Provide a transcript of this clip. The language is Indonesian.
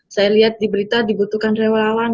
saya lihat diberita dibutuhkan relawan